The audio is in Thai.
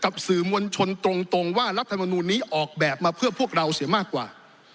กับสื่อมวลชนตรงว่ารัฐมนูลนี้ออกแบบมาเพื่อพวกเราเสียมากกว่า